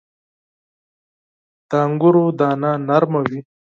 • د انګورو دانه نرمه وي.